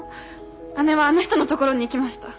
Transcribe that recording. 姉はあの人のところに行きました。